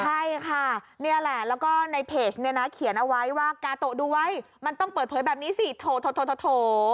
ใช่ค่ะนี่แหละแล้วก็ในเพจเนี่ยนะเขียนเอาไว้ว่ากาโตะดูไว้มันต้องเปิดเผยแบบนี้สิโถ